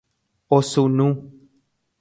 Osunu